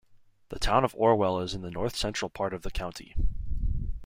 The Town of Orwell is in the north-central part of the county.